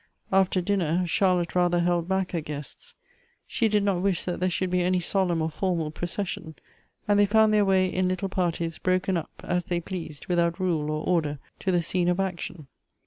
After dinner, Charlotte rather held back her guests. She did not wish that there should be any solemn or foiTnal procession, and they found their way in little parties, broken up, as they pleased, without rule or order, to the scene of action.